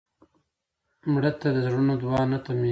مړه ته د زړونو دعا نه تمېږي